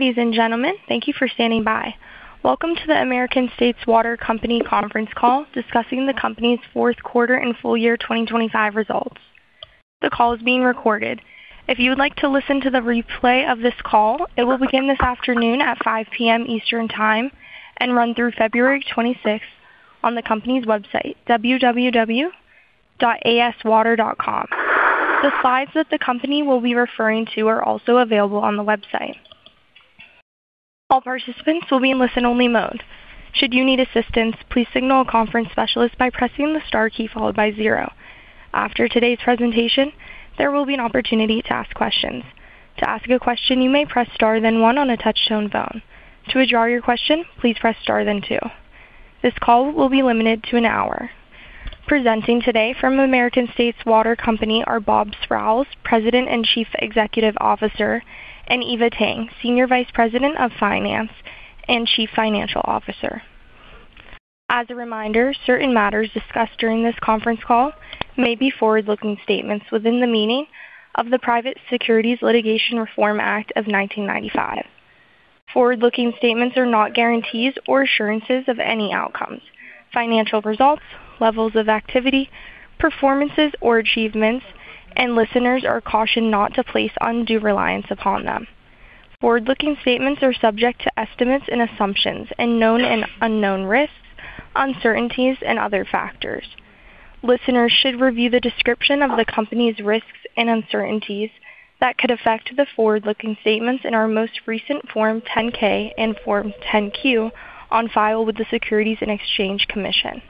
Ladies and gentlemen, thank you for standing by. Welcome to the American States Water Company Conference Call, discussing the company's fourth quarter and full year 2025 results. The call is being recorded. If you would like to listen to the replay of this call, it will begin this afternoon at 5 P.M. Eastern Time and run through February 26th on the company's website, www.aswater.com. The slides that the company will be referring to are also available on the website. All participants will be in listen-only mode. Should you need assistance, please signal a conference specialist by pressing the star key followed by zero. After today's presentation, there will be an opportunity to ask questions. To ask a question, you may press star, then one on a touch-tone phone. To withdraw your question, please press star then two. This call will be limited to an hour. Presenting today from American States Water Company are Bob Sprowls, President and Chief Executive Officer, and Eva Tang, Senior Vice President of Finance and Chief Financial Officer. As a reminder, certain matters discussed during this conference call may be forward-looking statements within the meaning of the Private Securities Litigation Reform Act of 1995. Forward-looking statements are not guarantees or assurances of any outcomes, financial results, levels of activity, performances or achievements, and listeners are cautioned not to place undue reliance upon them. Forward-looking statements are subject to estimates and assumptions, and known and unknown risks, uncertainties and other factors. Listeners should review the description of the company's risks and uncertainties that could affect the forward-looking statements in our most recent Form 10-K and Form 10-Q on file with the Securities and Exchange Commission.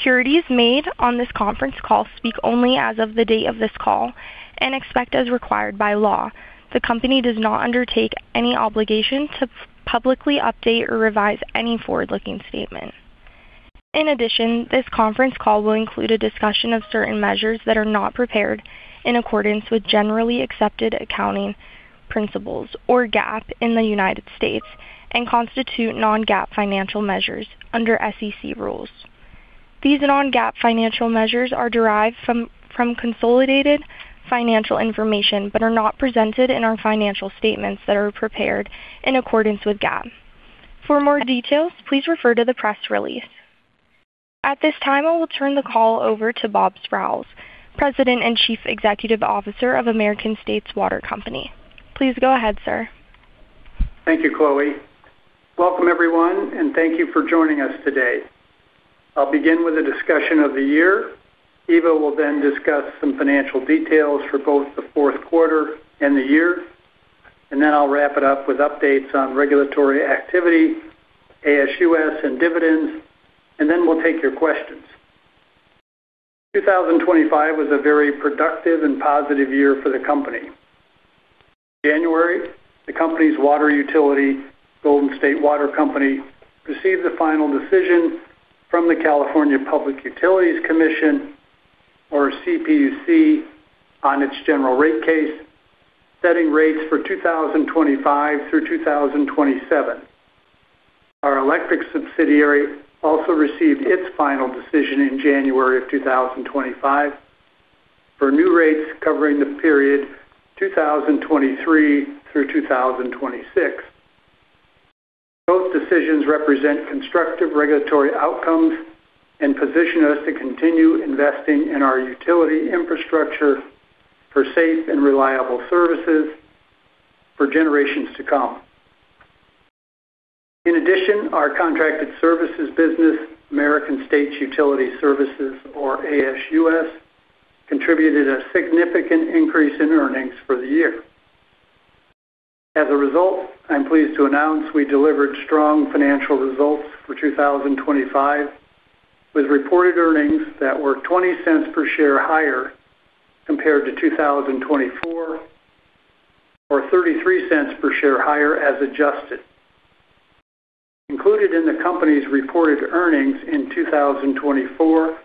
Statements made on this conference call speak only as of the date of this call and except as required by law. The company does not undertake any obligation to publicly update or revise any forward-looking statement. In addition, this conference call will include a discussion of certain measures that are not prepared in accordance with Generally Accepted Accounting Principles or GAAP in the United States and constitute non-GAAP financial measures under SEC rules. These non-GAAP financial measures are derived from consolidated financial information, but are not presented in our financial statements that are prepared in accordance with GAAP. For more details, please refer to the press release. At this time, I will turn the call over to Bob Sprowls, President and Chief Executive Officer of American States Water Company. Please go ahead, sir. Thank you, Chloe. Welcome, everyone, and thank you for joining us today. I'll begin with a discussion of the year. Eva will then discuss some financial details for both the fourth quarter and the year, and then I'll wrap it up with updates on regulatory activity, ASUS and dividends, and then we'll take your questions. 2025 was a very productive and positive year for the company. January, the company's water utility, Golden State Water Company, received the final decision from the California Public Utilities Commission, or CPUC, on its general rate case, setting rates for 2025 through 2027. Our electric subsidiary also received its final decision in January of 2025 for new rates covering the period 2023 through 2026. Both decisions represent constructive regulatory outcomes and position us to continue investing in our utility infrastructure for safe and reliable services for generations to come. In addition, our contracted services business, American States Utility Services, or ASUS, contributed a significant increase in earnings for the year. As a result, I'm pleased to announce we delivered strong financial results for 2025, with reported earnings that were $0.20 per share higher compared to 2024, or $0.33 per share higher as adjusted. Included in the company's reported earnings in 2024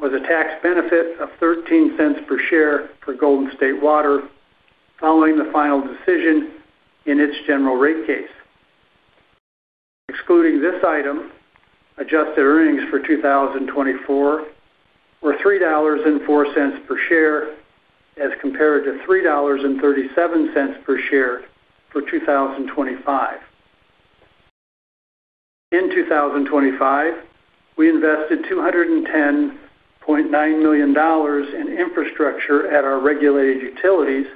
was a tax benefit of $0.13 per share for Golden State Water following the final decision in its general rate case. Excluding this item, adjusted earnings for 2024 were $3.04 per share, as compared to $3.37 per share for 2025. In 2025, we invested $210.9 million in infrastructure at our regulated utilities,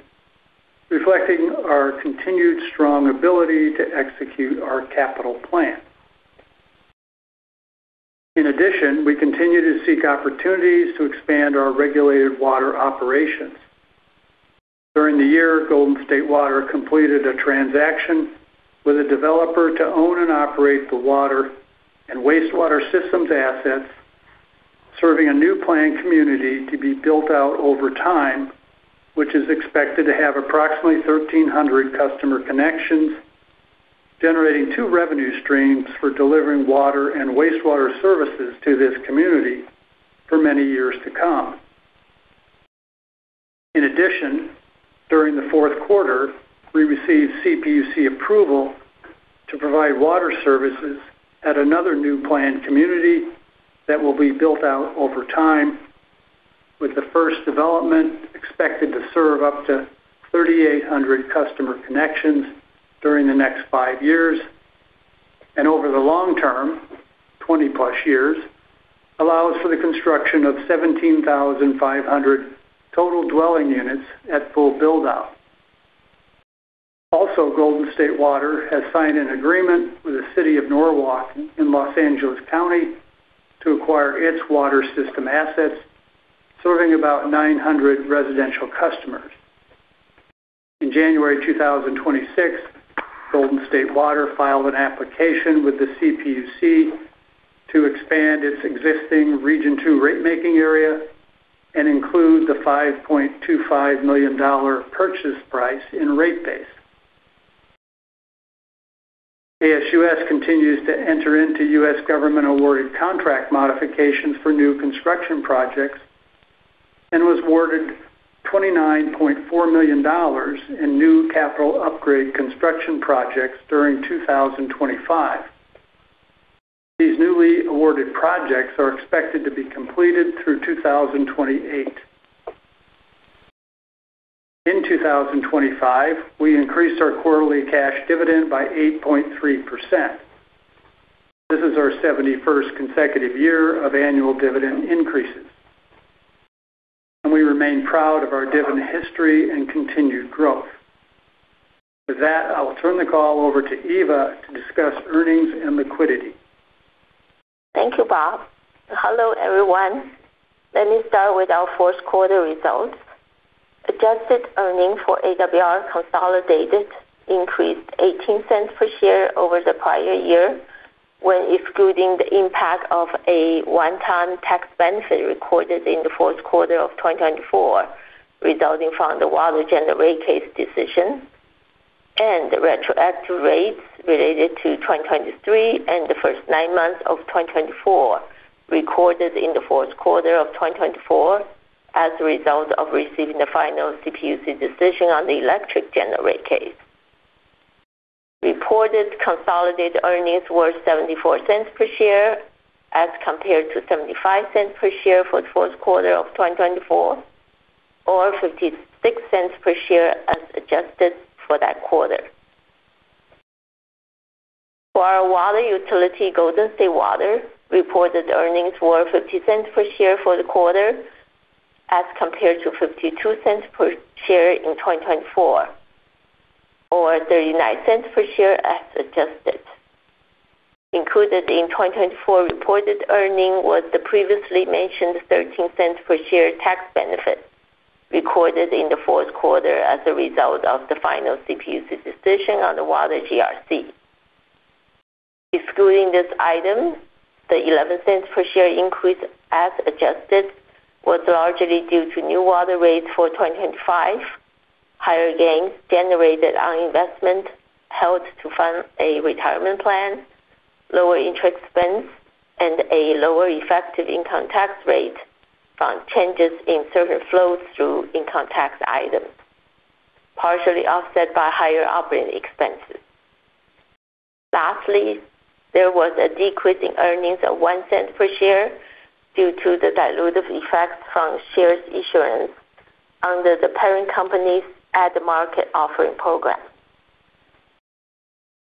reflecting our continued strong ability to execute our capital plan. In addition, we continue to seek opportunities to expand our regulated water operations. During the year, Golden State Water completed a transaction with a developer to own and operate the water and wastewater systems assets, serving a new planned community to be built out over time, which is expected to have approximately 1,300 customer connections, generating two revenue streams for delivering water and wastewater services to this community for many years to come. In addition, during the fourth quarter, we received CPUC approval to provide water services at another new planned community that will be built out over time, with the first development expected to serve up to 3,800 customer connections during the next five years, and over the long term, 20+ years, allows for the construction of 17,500 total dwelling units at full build-out. Also, Golden State Water has signed an agreement with the City of Norwalk in Los Angeles County to acquire its water system assets, serving about 900 residential customers. In January 2026, Golden State Water filed an application with the CPUC to expand its existing Region 2 rate making area and include the $5.25 million purchase price in rate base. ASUS continues to enter into U.S. government-awarded contract modifications for new construction projects and was awarded $29.4 million in new capital upgrade construction projects during 2025. These newly awarded projects are expected to be completed through 2028. In 2025, we increased our quarterly cash dividend by 8.3%. This is our 71st consecutive year of annual dividend increases, and we remain proud of our dividend history and continued growth. With that, I'll turn the call over to Eva to discuss earnings and liquidity. Thank you, Bob. Hello, everyone. Let me start with our fourth quarter results. Adjusted earnings for AWR consolidated increased $0.18 per share over the prior year, when excluding the impact of a one-time tax benefit recorded in the fourth quarter of 2024, resulting from the water General Rate Case decision and the retroactive rates related to 2023 and the first nine months of 2024, recorded in the fourth quarter of 2024 as a result of receiving the final CPUC decision on the electric General Rate Case. Reported consolidated earnings were $0.74 per share, as compared to $0.75 per share for the fourth quarter of 2023, or $0.56 per share as adjusted for that quarter. For our water utility, Golden State Water, reported earnings were $0.50 per share for the quarter, as compared to $0.52 per share in 2024, or $0.39 per share as adjusted. Included in 2024 reported earnings was the previously mentioned $0.13 per share tax benefit, recorded in the fourth quarter as a result of the final CPUC decision on the water GRC. Excluding this item, the $0.11 per share increase as adjusted was largely due to new water rates for 2025, higher gains generated on investment held to fund a retirement plan, lower interest expense, and a lower effective income tax rate from changes in certain flow-through income tax items, partially offset by higher operating expenses. Lastly, there was a decrease in earnings of $0.01 per share due to the dilutive effect from shares issuance under the parent company's at-the-market offering program.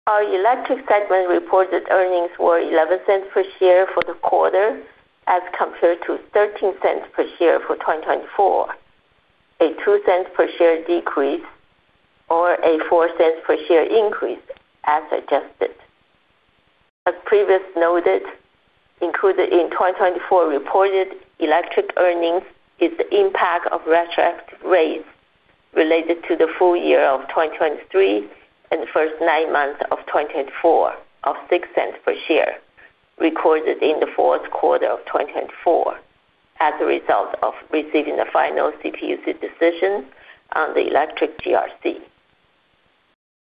Our electric segment reported earnings were $0.11 per share for the quarter, as compared to $0.13 per share for 2024, a $0.02 per share decrease or a $0.04 per share increase as adjusted. As previously noted, included in 2024 reported electric earnings is the impact of retroactive rates related to the full year of 2023 and the first nine months of 2024 of $0.06 per share, recorded in the fourth quarter of 2024 as a result of receiving the final CPUC decision on the electric GRC.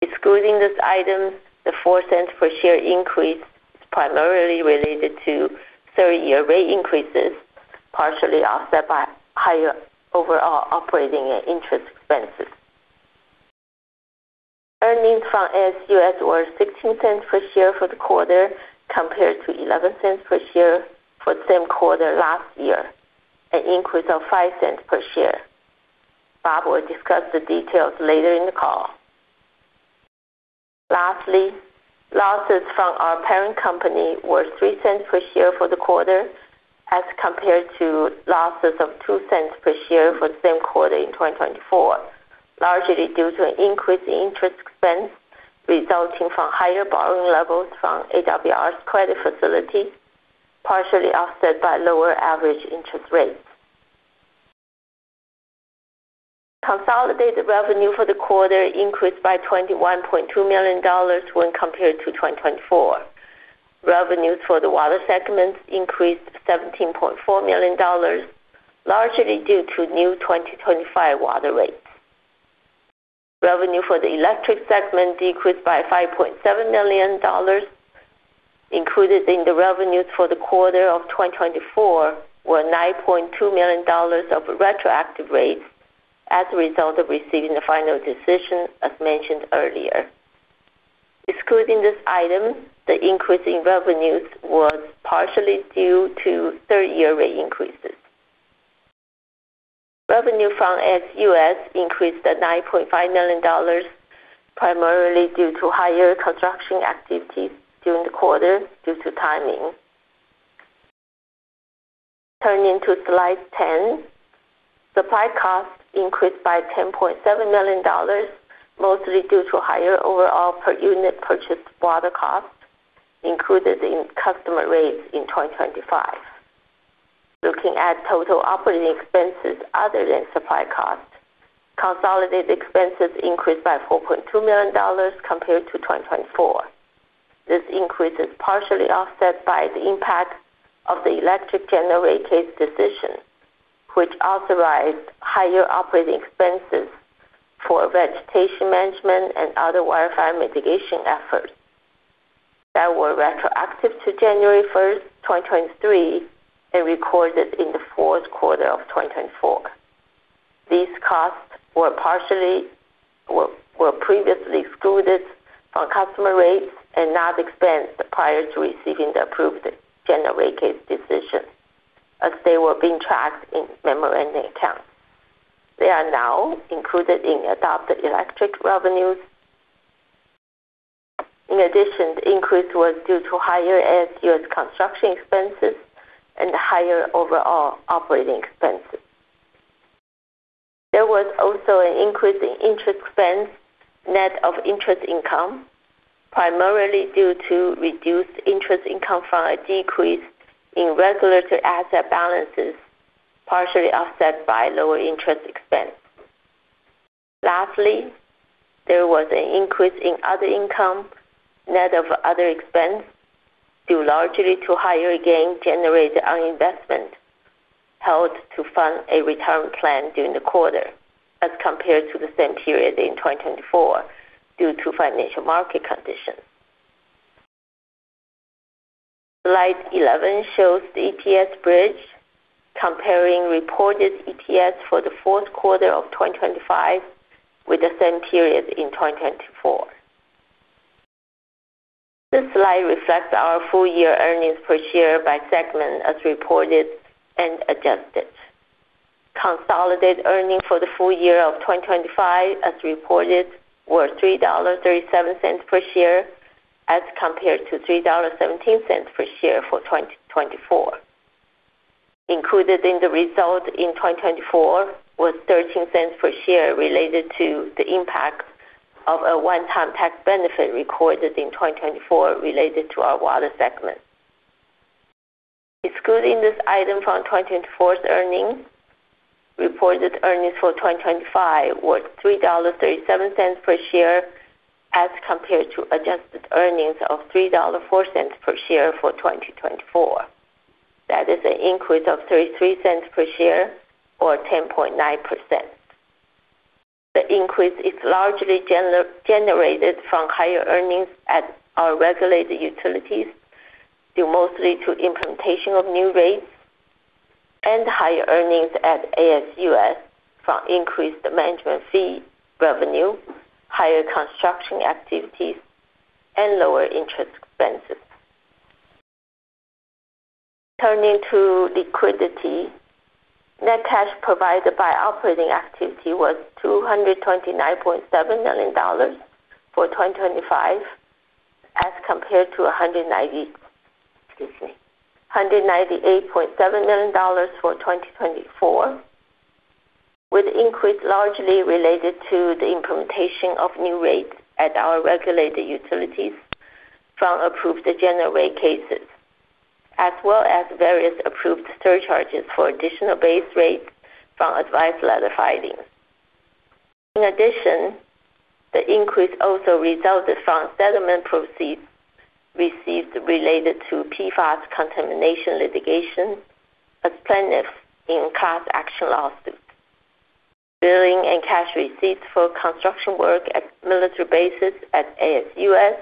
Excluding this item, the $0.04 per share increase is primarily related to 30-year rate increases, partially offset by higher overall operating and interest expenses. Earnings from ASUS were $0.16 per share for the quarter, compared to $0.11 per share for the same quarter last year, an increase of $0.05 per share. Bob will discuss the details later in the call. Lastly, losses from our parent company were $0.03 per share for the quarter, as compared to losses of $0.02 per share for the same quarter in 2024, largely due to an increase in interest expense resulting from higher borrowing levels from AWR's credit facility, partially offset by lower average interest rates. Consolidated revenue for the quarter increased by $21.2 million when compared to 2024. Revenues for the water segment increased $17.4 million, largely due to new 2025 water rates. Revenue for the electric segment decreased by $5.7 million. Included in the revenues for the quarter of 2024 were $9.2 million of retroactive rates as a result of receiving the final decision, as mentioned earlier, excluding this item, the increase in revenues was partially due to third-year rate increases. Revenue from ASUS increased to $9.5 million, primarily due to higher construction activities during the quarter, due to timing. Turning to slide 10. Supply costs increased by $10.7 million, mostly due to higher overall per unit purchased water costs included in customer rates in 2025. Looking at total operating expenses other than supply costs, consolidated expenses increased by $4.2 million compared to 2024. This increase is partially offset by the impact of the electric general rate case decision, which authorized higher operating expenses for vegetation management and other wildfire mitigation efforts that were retroactive to January 1st, 2023, and recorded in the fourth quarter of 2024. These costs were previously excluded from customer rates and not expensed prior to receiving the approved general rate case decision, as they were being tracked in memorandum accounts. They are now included in adopted electric revenues. In addition, the increase was due to higher ASUS construction expenses and higher overall operating expenses. There was also an increase in interest expense, net of interest income, primarily due to reduced interest income from a decrease in regulatory asset balances, partially offset by lower interest expense. Lastly, there was an increase in other income, net of other expense, due largely to higher gain generated on investment held to fund a retirement plan during the quarter as compared to the same period in 2024 due to financial market conditions. Slide 11 shows the EPS bridge comparing reported EPS for the fourth quarter of 2025 with the same period in 2024. This slide reflects our full year earnings per share by segment as reported and adjusted. Consolidated earnings for the full year of 2025, as reported, were $3.37 per share, as compared to $3.17 per share for 2024. Included in the result in 2024 was $0.13 per share related to the impact of a one-time tax benefit recorded in 2024 related to our water segment. Excluding this item from 2024's earnings, reported earnings for 2025 were $3.37 per share, as compared to adjusted earnings of $3.04 per share for 2024. That is an increase of $0.33 per share or 10.9%. The increase is largely generated from higher earnings at our regulated utilities, due mostly to implementation of new rates and higher earnings at ASUS from increased management fee revenue, higher construction activities, and lower interest expenses. Turning to liquidity, net cash provided by operating activity was $229.7 million for 2025, as compared to $190... Excuse me, $198.7 million for 2024, with increase largely related to the implementation of new rates at our regulated utilities from approved general rate cases, as well as various approved surcharges for additional base rates from advice letter filings. In addition, the increase also resulted from settlement proceeds received related to PFAS contamination litigation as plaintiffs in class action lawsuits, billing and cash receipts for construction work at military bases at ASUS,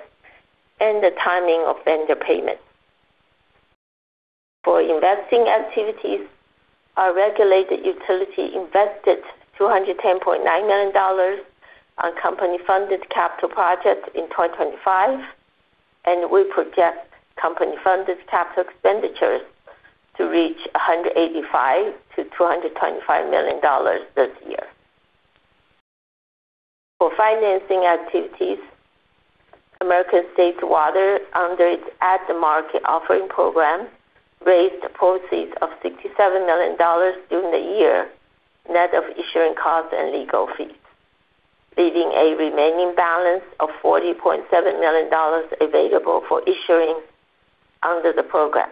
and the timing of vendor payments. For investing activities, our regulated utility invested $210.9 million on company-funded capital projects in 2025, and we project company-funded capital expenditures to reach $185 million-$225 million this year. For financing activities, American States Water, under its at-the-market offering program, raised proceeds of $67 million during the year, net of issuing costs and legal fees, leaving a remaining balance of $40.7 million available for issuing under the program.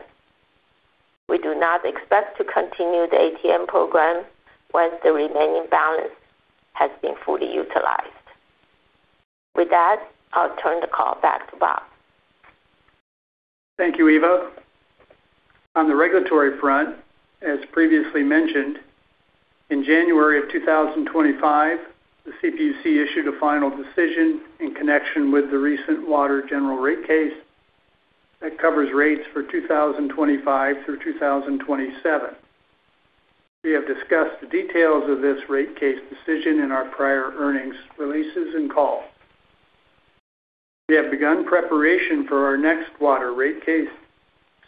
We do not expect to continue the ATM program once the remaining balance has been fully utilized. With that, I'll turn the call back to Bob. Thank you, Eva. On the regulatory front, as previously mentioned, in January of 2025, the CPUC issued a final decision in connection with the recent water general rate case that covers rates for 2025 through 2027. We have discussed the details of this rate case decision in our prior earnings releases and calls. We have begun preparation for our next water rate case,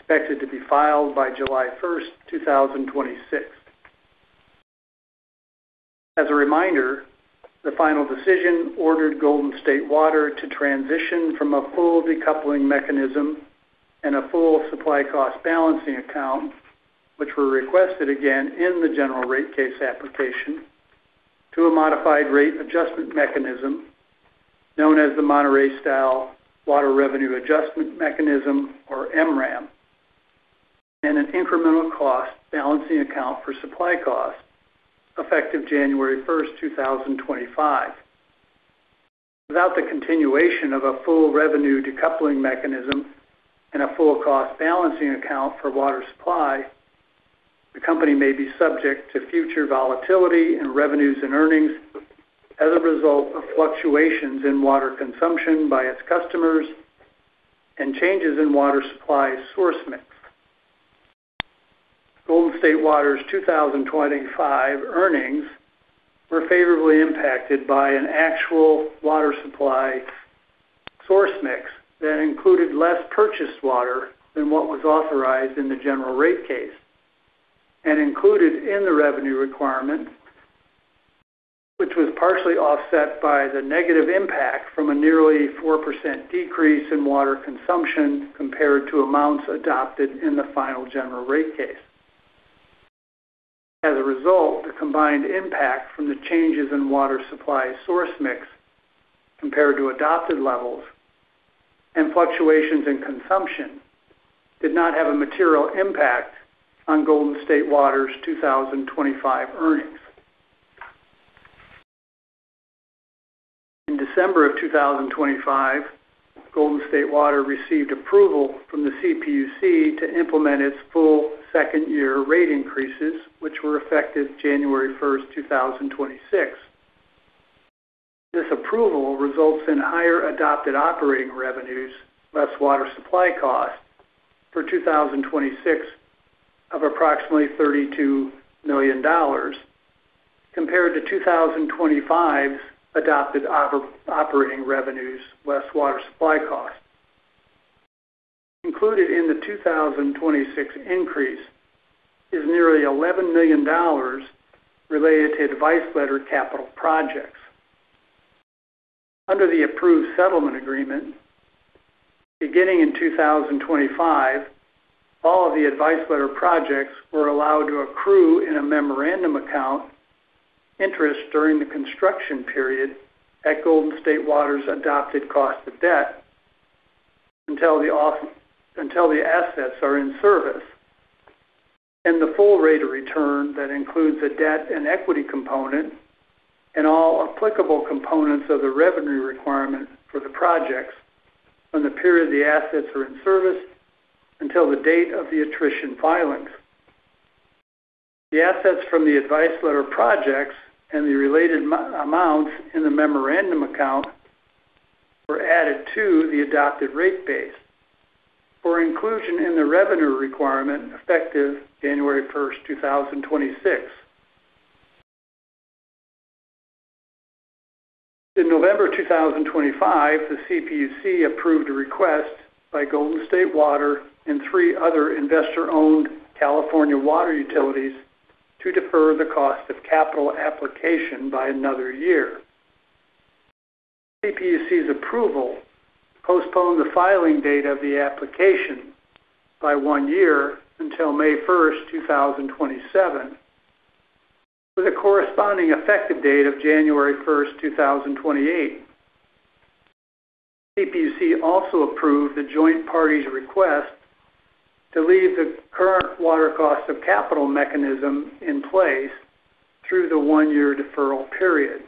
expected to be filed by July 1st, 2026. As a reminder, the final decision ordered Golden State Water to transition from a full decoupling mechanism and a full supply cost balancing account, which were requested again in the general rate case application, to a modified rate adjustment mechanism, known as the Monterey-style Water Revenue Adjustment Mechanism, or MWRAM, and an incremental cost balancing account for supply costs, effective January 1st, 2025. Without the continuation of a full revenue decoupling mechanism and a full cost balancing account for water supply, the company may be subject to future volatility in revenues and earnings as a result of fluctuations in water consumption by its customers and changes in water supply source mix. Golden State Water's 2025 earnings were favorably impacted by an actual water supply source mix that included less purchased water than what was authorized in the general rate case, and included in the revenue requirement, which was partially offset by the negative impact from a nearly 4% decrease in water consumption compared to amounts adopted in the final general rate case. As a result, the combined impact from the changes in water supply source mix compared to adopted levels and fluctuations in consumption did not have a material impact on Golden State Water's 2025 earnings. In December 2025, Golden State Water received approval from the CPUC to implement its full second-year rate increases, which were effective January 1st, 2026. This approval results in higher adopted operating revenues, less water supply costs for 2026 of approximately $32 million, compared to 2025's adopted operating revenues, less water supply costs. Included in the 2026 increase is nearly $11 million related to advice letter capital projects. Under the approved settlement agreement, beginning in 2025, all of the advice letter projects were allowed to accrue in a memorandum account interest during the construction period at Golden State Water's adopted cost of debt, until the assets are in service, and the full rate of return that includes a debt and equity component and all applicable components of the revenue requirement for the projects from the period the assets are in service until the date of the attrition filings. The assets from the advice letter projects and the related amounts in the memorandum account were added to the adopted rate base for inclusion in the revenue requirement effective January 1st, 2026. In November 2025, the CPUC approved a request by Golden State Water and three other investor-owned California water utilities to defer the cost of capital application by another year. CPUC's approval postponed the filing date of the application by one year until May 1st, 2027, with a corresponding effective date of January 1st, 2028. CPUC also approved the joint parties' request to leave the current water cost of capital mechanism in place through the one-year deferral period.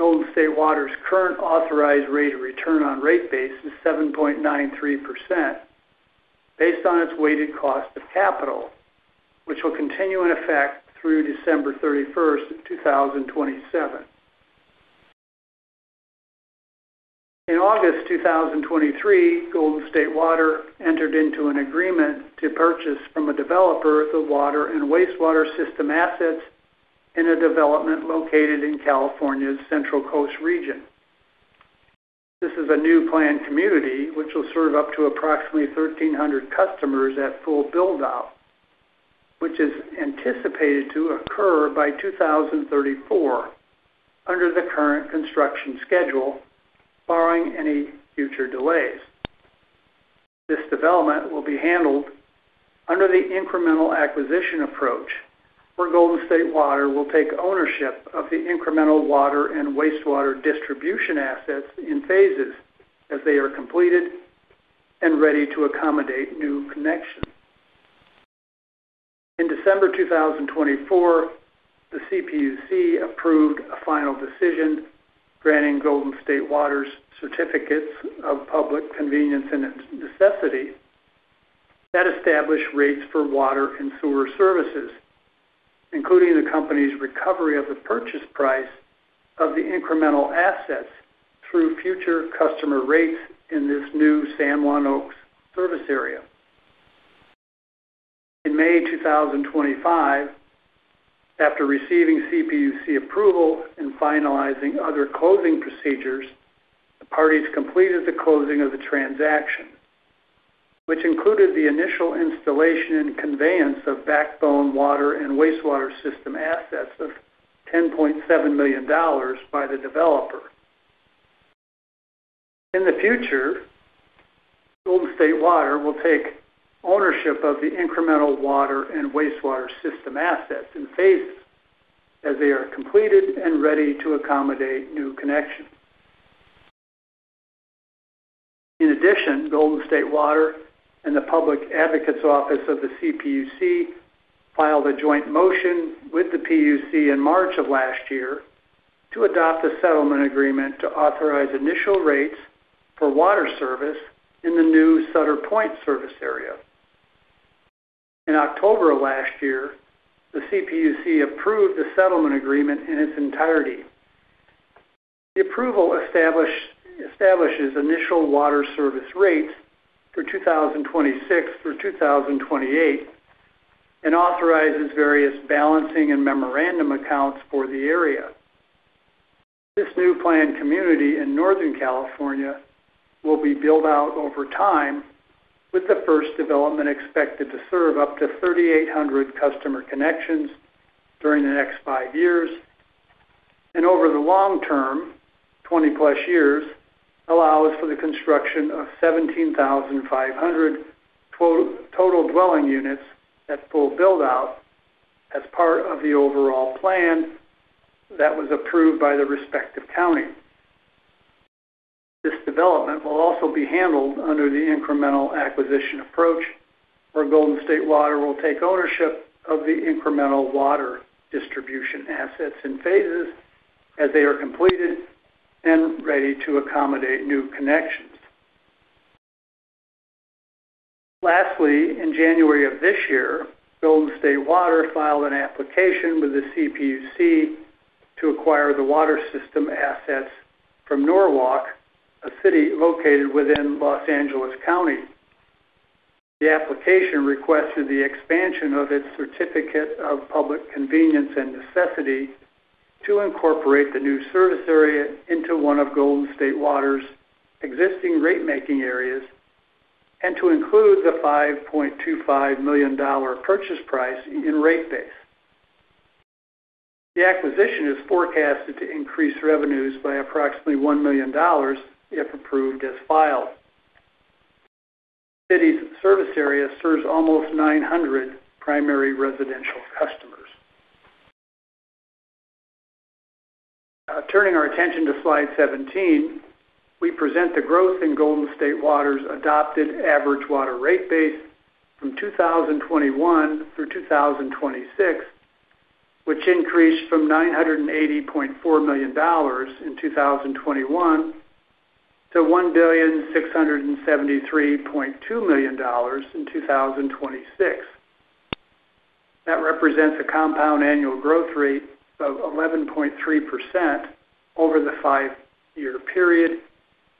Golden State Water's current authorized rate of return on rate base is 7.93%, based on its weighted cost of capital, which will continue in effect through December 31st, 2027. In August 2023, Golden State Water entered into an agreement to purchase from a developer the water and wastewater system assets in a development located in California's Central Coast region. This is a new planned community, which will serve up to approximately 1,300 customers at full build-out, which is anticipated to occur by 2034 under the current construction schedule, barring any future delays. This development will be handled under the incremental acquisition approach, where Golden State Water will take ownership of the incremental water and wastewater distribution assets in phases as they are completed and ready to accommodate new connections. In December 2024, the CPUC approved a final decision granting Golden State Water's certificates of public convenience and necessity that establish rates for water and sewer services. Including the company's recovery of the purchase price of the incremental assets through future customer rates in this new San Juan Oaks service area. In May 2025, after receiving CPUC approval and finalizing other closing procedures, the parties completed the closing of the transaction, which included the initial installation and conveyance of backbone water and wastewater system assets of $10.7 million by the developer. In the future, Golden State Water will take ownership of the incremental water and wastewater system assets in phases as they are completed and ready to accommodate new connections. In addition, Golden State Water and the Public Advocates Office of the CPUC filed a joint motion with the PUC in March of last year to adopt a settlement agreement to authorize initial rates for water service in the new Sutter Pointe service area. In October of last year, the CPUC approved the settlement agreement in its entirety. The approval establishes initial water service rates for 2026 through 2028, and authorizes various balancing and memorandum accounts for the area. This new planned community in Northern California will be built out over time, with the first development expected to serve up to 3,800 customer connections during the next five years. And over the long term, 20+ years, allows for the construction of 17,500 total dwelling units at full build-out as part of the overall plan that was approved by the respective county. This development will also be handled under the incremental acquisition approach, where Golden State Water will take ownership of the incremental water distribution assets in phases as they are completed and ready to accommodate new connections. Lastly, in January of this year, Golden State Water filed an application with the CPUC to acquire the water system assets from Norwalk, a city located within Los Angeles County. The application requested the expansion of its Certificate of Public Convenience and Necessity to incorporate the new service area into one of Golden State Water's existing rate-making areas, and to include the $5.25 million purchase price in rate base. The acquisition is forecasted to increase revenues by approximately $1 million if approved as filed. City's service area serves almost 900 primary residential customers. Turning our attention to slide 17, we present the growth in Golden State Water's adopted average water rate base from 2021 through 2026, which increased from $980.4 million in 2021 to $1,673.2 million in 2026. That represents a compound annual growth rate of 11.3% over the five-year period,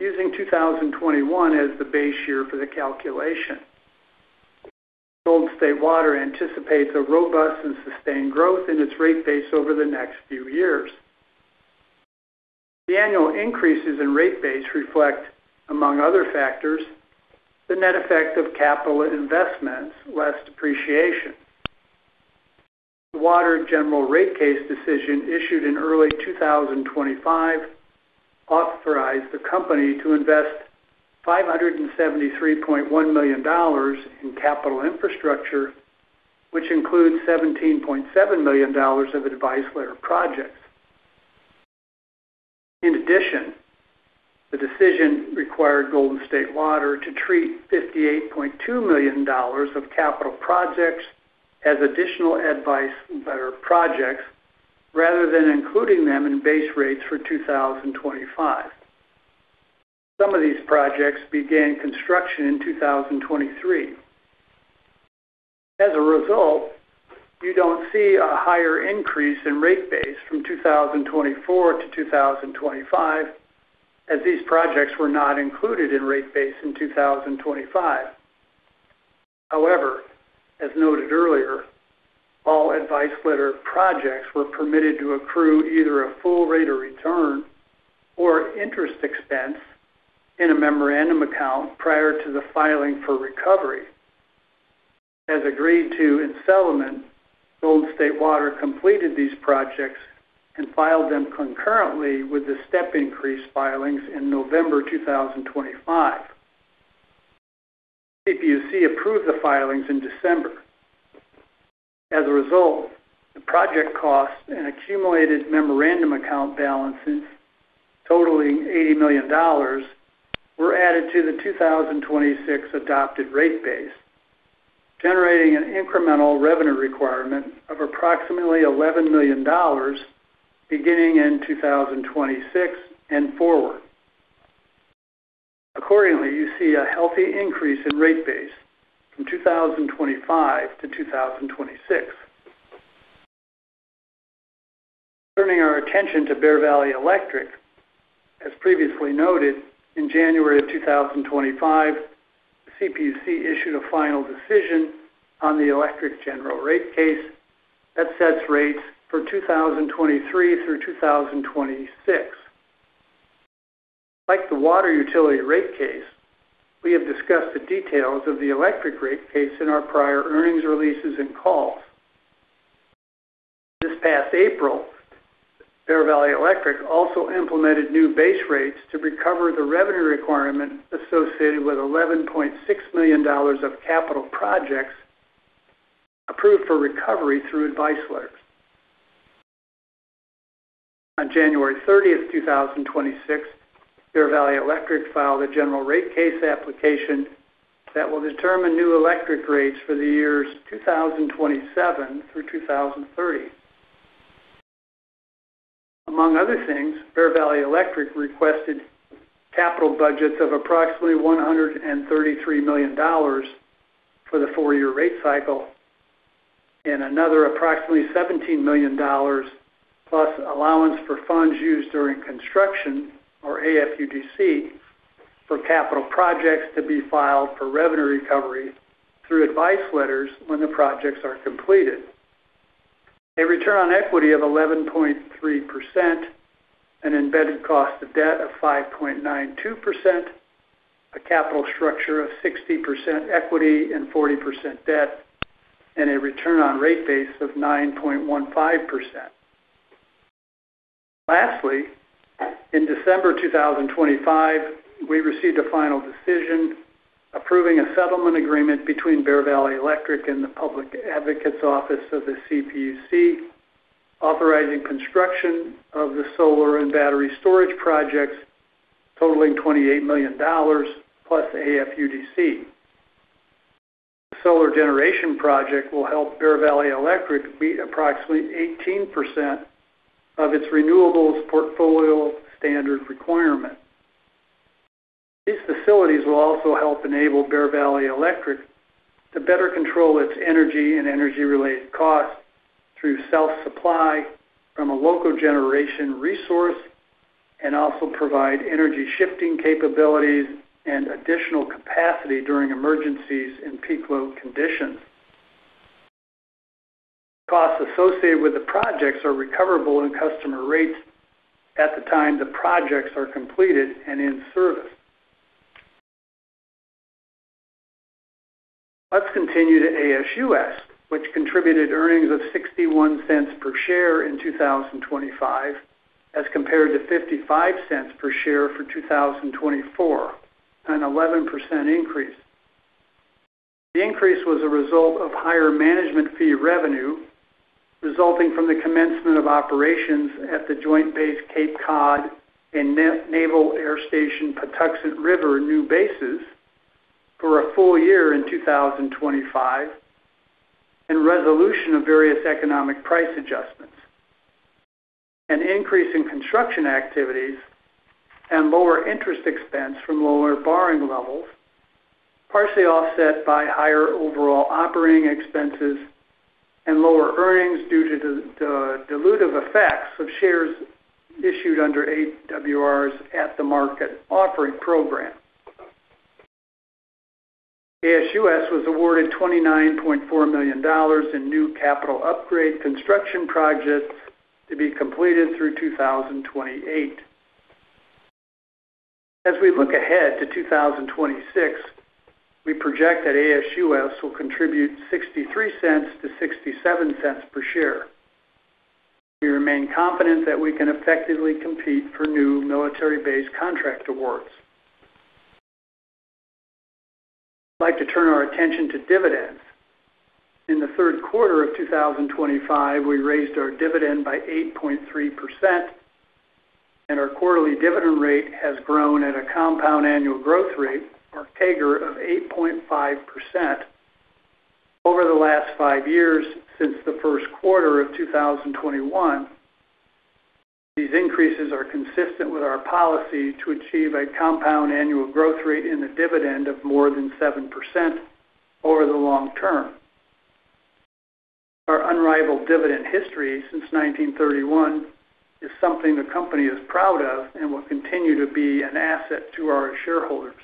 using 2021 as the base year for the calculation. Golden State Water anticipates a robust and sustained growth in its rate base over the next few years. The annual increases in rate base reflect, among other factors, the net effect of capital investments less depreciation. The water general rate case decision, issued in early 2025, authorized the company to invest $573.1 million in capital infrastructure, which includes $17.7 million of advice letter projects. In addition, the decision required Golden State Water to treat $58.2 million of capital projects as additional advice letter projects, rather than including them in base rates for 2025. Some of these projects began construction in 2023. As a result, you don't see a higher increase in rate base from 2024 to 2025, as these projects were not included in rate base in 2025. However, as noted earlier, all advice letter projects were permitted to accrue either a full rate of return or interest expense in a memorandum account prior to the filing for recovery. As agreed to in settlement, Golden State Water completed these projects and filed them concurrently with the step increase filings in November 2025. CPUC approved the filings in December. As a result, the project costs and accumulated Memorandum Account balances, totaling $80 million, were added to the 2026 adopted Rate Base, generating an incremental revenue requirement of approximately $11 million beginning in 2026 and forward. Accordingly, you see a healthy increase in Rate Base from 2025 to 2026. Turning our attention to Bear Valley Electric, as previously noted, in January 2025, the CPUC issued a final decision on the electric General Rate Case that sets rates for 2023 through 2026. Like the water utility rate case, we have discussed the details of the electric rate case in our prior earnings releases and calls. This past April, Bear Valley Electric also implemented new base rates to recover the revenue requirement associated with $11.6 million of capital projects approved for recovery through advice letters. On January 30th, 2026, Bear Valley Electric filed a general rate case application that will determine new electric rates for the years 2027 through 2030. Among other things, Bear Valley Electric requested capital budgets of approximately $133 million for the four-year rate cycle, and another approximately $17 million, plus Allowance for Funds Used During Construction, or AFUDC, for capital projects to be filed for revenue recovery through advice letters when the projects are completed. A return on equity of 11.3%, an embedded cost of debt of 5.92%, a capital structure of 60% equity and 40% debt, and a return on rate base of 9.15%. Lastly, in December 2025, we received a final decision approving a settlement agreement between Bear Valley Electric and the Public Advocates Office of the CPUC, authorizing construction of the solar and battery storage projects totaling $28 million, plus AFUDC. Solar generation project will help Bear Valley Electric meet approximately 18% of its Renewables Portfolio Standard requirement. These facilities will also help enable Bear Valley Electric to better control its energy and energy-related costs through self-supply from a local generation resource, and also provide energy shifting capabilities and additional capacity during emergencies in peak load conditions. Costs associated with the projects are recoverable in customer rates at the time the projects are completed and in service. Let's continue to ASUS, which contributed earnings of $0.61 per share in 2025, as compared to $0.55 per share for 2024, an 11% increase. The increase was a result of higher management fee revenue, resulting from the commencement of operations at the Joint Base Cape Cod and Naval Air Station Patuxent River new bases for a full year in 2025, and resolution of various economic price adjustments, an increase in construction activities, and lower interest expense from lower borrowing levels, partially offset by higher overall operating expenses and lower earnings due to the dilutive effects of shares issued under AWR's at the market offering program. ASUS was awarded $29.4 million in new capital upgrade construction projects to be completed through 2028. As we look ahead to 2026, we project that ASUS will contribute $0.63-$0.67 per share. We remain confident that we can effectively compete for new military base contract awards. I'd like to turn our attention to dividends. In the third quarter of 2025, we raised our dividend by 8.3%, and our quarterly dividend rate has grown at a compound annual growth rate, or CAGR, of 8.5% over the last five years since the first quarter of 2021. These increases are consistent with our policy to achieve a compound annual growth rate in the dividend of more than 7% over the long term. Our unrivaled dividend history since 1931 is something the company is proud of and will continue to be an asset to our shareholders.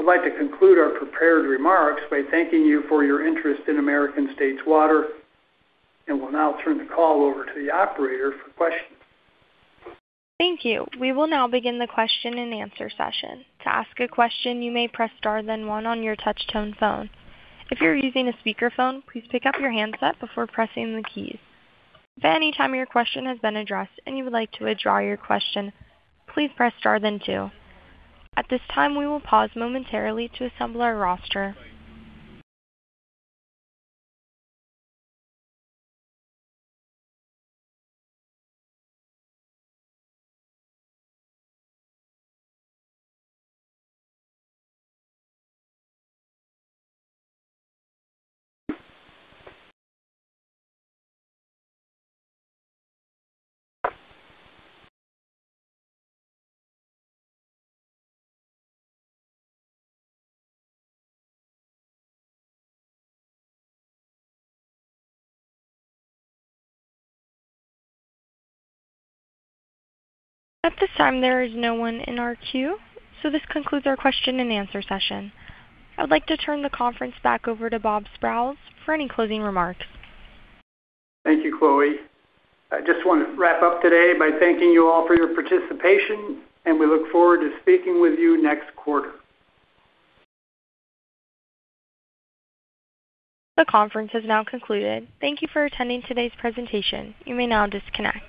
I'd like to conclude our prepared remarks by thanking you for your interest in American States Water, and will now turn the call over to the operator for questions. Thank you. We will now begin the question and answer session. To ask a question, you may press star then one on your touch-tone phone. If you're using a speakerphone, please pick up your handset before pressing the keys. If at any time your question has been addressed and you would like to withdraw your question, please press star then two. At this time, we will pause momentarily to assemble our roster. At this time, there is no one in our queue, so this concludes our question and answer session. I would like to turn the conference back over to Bob Sprowls for any closing remarks. Thank you, Chloe. I just want to wrap up today by thanking you all for your participation, and we look forward to speaking with you next quarter. The conference has now concluded. Thank you for attending today's presentation. You may now disconnect.